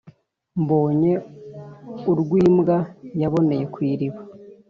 mbonye urw'imbwa yaboneye kw'iriba